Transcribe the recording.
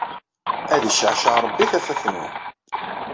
Ad iceɛceɛ Rebbi tafat-nwen.